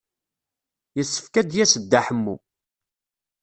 Yessefk ad d-yas Dda Ḥemmu.